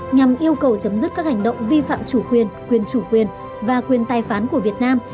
nhằm yêu cầu chấm dứt các hành động vi phạm chủ quyền quyền chủ quyền và quyền tài phán của việt nam